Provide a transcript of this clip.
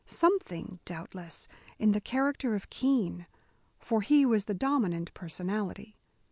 Something, doubtless, in the character of Keene, for he was the dominant personality.